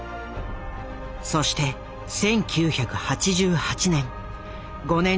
そして１９８８年。